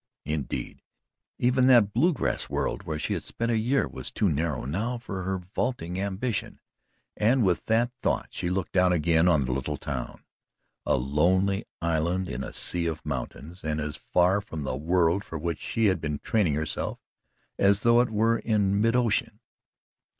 Indeed, even that Bluegrass world where she had spent a year was too narrow now for her vaulting ambition, and with that thought she looked down again on the little town, a lonely island in a sea of mountains and as far from the world for which she had been training herself as though it were in mid ocean.